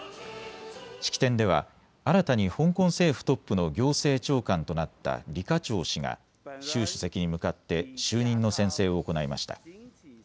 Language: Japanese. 式典では新たに香港政府トップの行政長官となった李家超氏が習主席に向かって就任の宣誓を行いました。